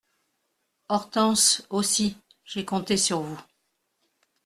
Hortense Aussi, j'ai compté sur vous.